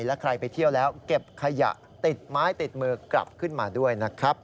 และใครไปเที่ยวแล้วเก็บขยะติดไม้ติดมือกลับขึ้นมาด้วยนะครับ